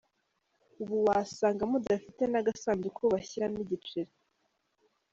Ubu wasanga mudafite n’agasanduku bashyiramo igiceri.